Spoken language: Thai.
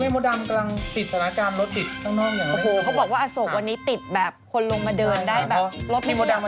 ไม่ขยับเลย